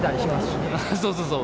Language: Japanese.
そうそうそう。